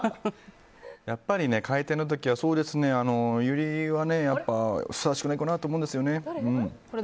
やっぱり開店の時は、そうですねユリはふさわしくないかなと思うんですよね。